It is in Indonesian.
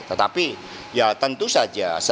tetapi ya tentu saja setiap presiden